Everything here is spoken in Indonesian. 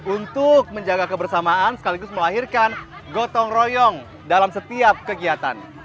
untuk menjaga kebersamaan sekaligus melahirkan gotong royong dalam setiap kegiatan